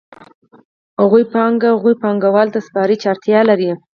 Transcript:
هغوی پانګه هغو پانګوالو ته سپاري چې اړتیا لري